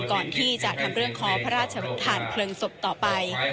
ก่อนที่จะทำเรื่องขอพระราชทานเพลิงศพต่อไป